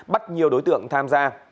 bắt nhiều đối tượng tham gia